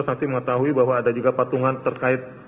saksi mengetahui bahwa ada juga patungan terkait